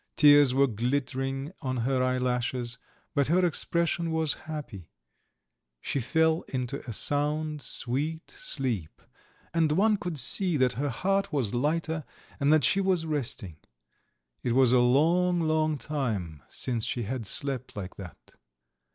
Tears were glittering on her eyelashes, but her expression was happy; she fell into a sound sweet sleep, and one could see that her heart was lighter and that she was resting. It was a long, long time since she had slept like that.